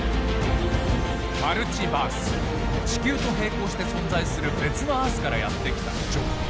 マルチバース地球と並行して存在する別のアースからやって来たジョン。